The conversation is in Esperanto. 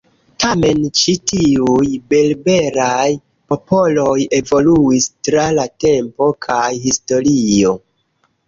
Tamen ĉi tiuj berberaj popoloj evoluis tra la tempo kaj historio.